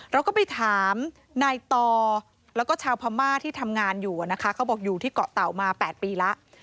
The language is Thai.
เราก็ไปถามนายตอและชาวพะม่าที่ทำงานอยู่ที่เกาะเต่ามา๘ปีแล้ว